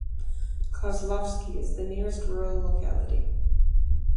Kozlovsky is the nearest rural locality.